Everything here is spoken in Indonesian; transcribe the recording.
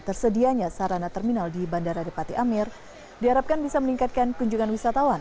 tersedianya sarana terminal di bandara depati amir diharapkan bisa meningkatkan kunjungan wisatawan